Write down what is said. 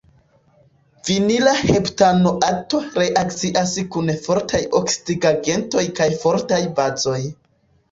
Vinila heptanoato reakcias kun fortaj oksidigagentoj kaj fortaj bazoj.